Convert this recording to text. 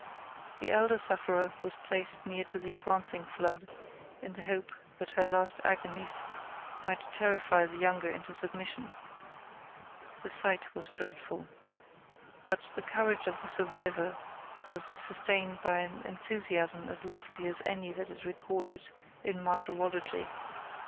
The elder sufferer was placed near to the advancing flood, in the hope that her last agonies might terrify the younger into submission. The sight was dreadful. But the courage of the survivor was sustained by an enthusiasm as lofty as any that is recorded in martyrology.